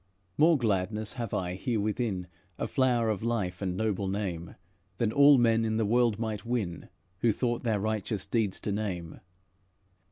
"More gladness have I, herewithin, Of flower of life, and noble name, Than all men in the world might win, Who thought their righteous deeds to name.